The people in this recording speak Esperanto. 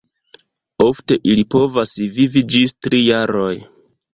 Ofte ili povas vivi ĝis tri jaroj.